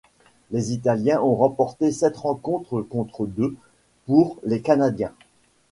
Les Italiens ont remporté sept rencontres contre deux pour les Canadiens.